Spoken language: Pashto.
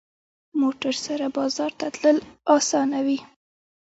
موټر سره بازار ته تلل اسانه وي.